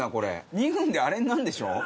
２分であれになるんでしょ？